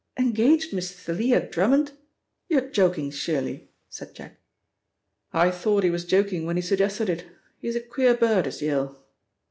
"Engaged Miss Thalia Drummond? You're joking, surely?" said Jack. "I thought he was joking when he suggested it. He's a queer bird, is Yale."